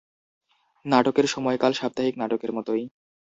নাটকের সময়কাল সাপ্তাহিক নাটকের মতোই।